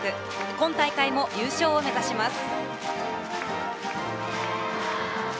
今大会も優勝を目指します。